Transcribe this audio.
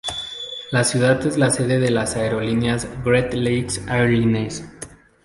La ciudad es la sede de la aerolínea Great Lakes Airlines.